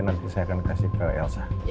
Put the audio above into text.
nanti saya akan kasih ke elsa